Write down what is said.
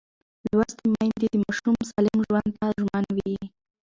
لوستې میندې د ماشوم سالم ژوند ته ژمن وي.